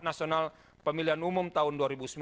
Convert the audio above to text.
nasional pemilihan umum tahun dua ribu sembilan belas